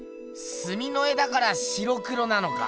すみの絵だから白黒なのか。